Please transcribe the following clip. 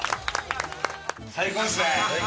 最高ですね！